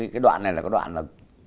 cái đoạn này là cái đoạn là